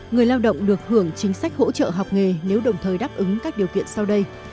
người lao động được hưởng chính sách hỗ trợ học nghề nếu đồng thời đáp ứng các điều kiện sau đây